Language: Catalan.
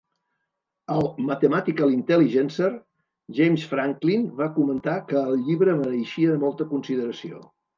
Al "Mathematical Intelligencer", James Franklin va comentar que el llibre mereixia molta consideració.